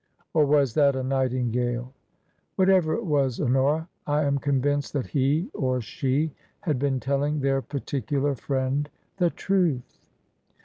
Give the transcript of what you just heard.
Or was that a nightingale? Whatever it was, Honora, I am con vinced that he or she had been telling their particular friend the truth."